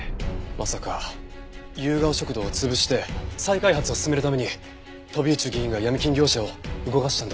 まさかゆうがお食堂を潰して再開発を進めるために飛内議員がヤミ金業者を動かしたんだとしたら。